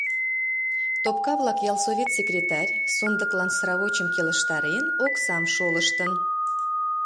Топкавлак ялсовет секретарь, сондыклан сравочым келыштарен, оксам шолыштын.